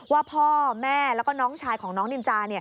ว่าพ่อแม่แล้วก็น้องชายของน้องนินจา